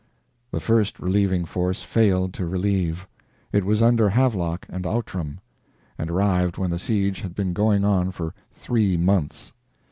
The first relieving force failed to relieve. It was under Havelock and Outram; and arrived when the siege had been going on for three months.